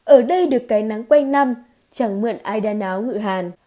ở đây được cái nắng quanh năm chẳng mượn ai đa náo ngự hàn